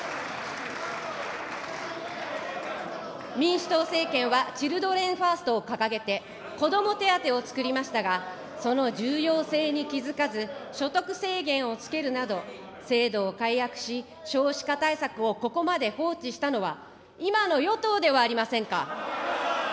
民主党政権はチルドレンファーストを掲げて、こども手当を作りましたが、その重要性に気付かず、所得制限をつけるなど、制度を改悪し、少子化対策をここまで放置したのは、今の与党ではありませんか。